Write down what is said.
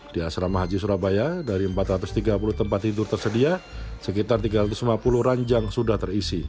di asrama haji surabaya dari empat ratus tiga puluh tempat tidur tersedia sekitar tiga ratus lima puluh ranjang sudah terisi